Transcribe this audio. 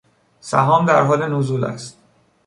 سهام در حال نزول است.